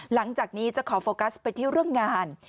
หลังจากนี้จะขอโฟกัสไปที่เรื่องงาน